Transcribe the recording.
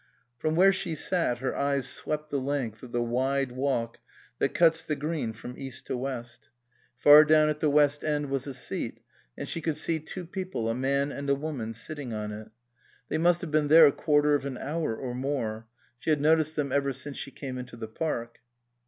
From where she sat her eyes swept the length of the wide walk that cuts the green from east to west. Far down at the west end was a seat, and she could see two people, a man and a woman, sitting on it; they must have been there a quarter of an hour or more ; she had noticed them ever since she came into the park.